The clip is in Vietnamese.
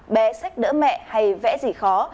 bé sách đỡ mẹ hay vẽ gì khó